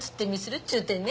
っちゅうてね。